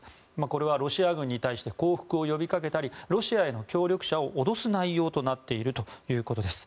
これはロシア軍に対して降伏を呼びかけたりロシアへの協力者を脅す内容になっているということです。